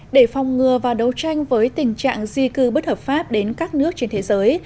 để phòng ngừa và đấu tranh với tình trạng di cư bất hợp pháp đến các nước trên thế giới